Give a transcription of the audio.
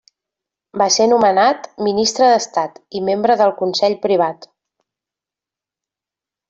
Va ser nomenat Ministre d'Estat i membre del Consell Privat.